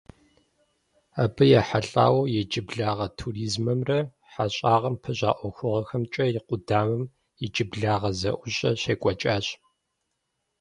Абы ехьэлӀауэ иджыблагъэ туризмэмрэ хьэщӀагъэм пыщӀа ӀуэхугъуэхэмкӀэ и къудамэм иджыблагъэ зэӀущӀэ щекӀуэкӀащ.